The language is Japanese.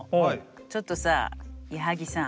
ちょっとさ矢作さん